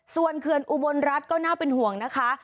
ส่วนเขื่อนอุบลรัฐก็น่าเป็นห่วงนะคะ